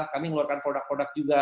kami ngeluarkan produk produk juga